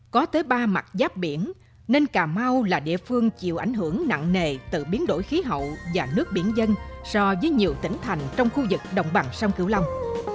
có tới ba mặt giáp biển nên cà mau là địa phương chịu ảnh hưởng nặng nề từ biến đổi khí hậu và nước biển dân so với nhiều tỉnh thành trong khu vực đồng bằng sông cửu long